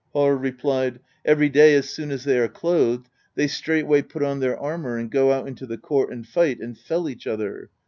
Harr replied :" Every day, as soon as they are clothed, they straightway put on their armor and go out into the court and fight, and fell each other.